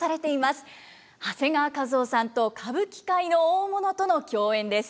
長谷川一夫さんと歌舞伎界の大物との競演です。